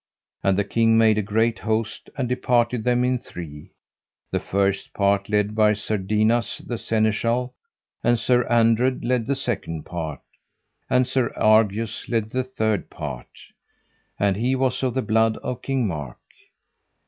And the king made a great host and departed them in three; the first part led Sir Dinas the Seneschal, and Sir Andred led the second part, and Sir Argius led the third part; and he was of the blood of King Mark.